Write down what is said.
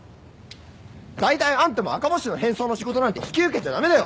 だいたいあんたも赤星の変装の仕事なんて引き受けちゃ駄目だよ！